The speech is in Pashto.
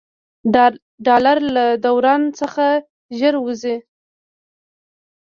ډالر له دوران څخه ژر ووځي.